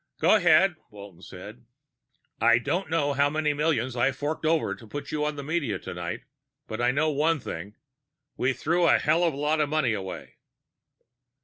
"Go ahead," Walton said. "I don't know how many millions I forked over to put you on the media tonight, but I know one thing we threw a hell of a lot of money away."